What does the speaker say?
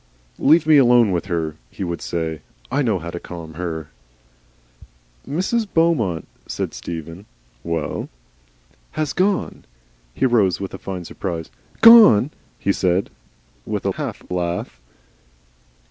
"Leave me alone with her," he would say; "I know how to calm her." "Mrs. Beaumont," said Stephen. "WELL?" "Has gone." He rose with a fine surprise. "Gone!" he said with a half laugh.